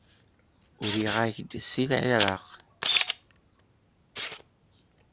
Uriɣ-ak seg Lɛiraq.